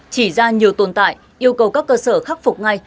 chỉ ra nhiều tồn tại yêu cầu các cơ sở khắc phục ngay